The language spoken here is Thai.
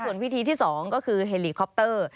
ส่วนวิธีที่๒ก็คือเฮลีคอปเตอร์